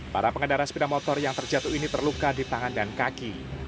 para pengendara sepeda motor yang terjatuh ini terluka di tangan dan kaki